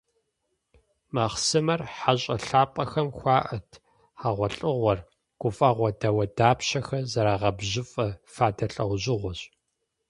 Махъсымэр хьэщIэ лъапIэхэм хуаIэт, хьэгъуэлIыгъуэр, гуфIэгъуэ дауэдапщэхэр зэрагъэбжьыфIэ фадэ лIэужьыгъуэщ.